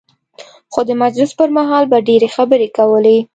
خو د مجلس پر مهال به ډېرې خبرې کولې.